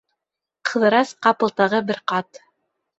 Ҡыҙырас ҡапыл тағы бер ҡат: